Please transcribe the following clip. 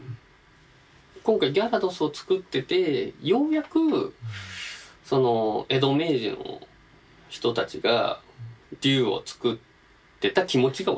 今回ギャラドスを作っててようやく江戸・明治の人たちが竜を作ってた気持ちが分かった。